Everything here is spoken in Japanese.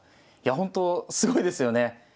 いや本当すごいですよね。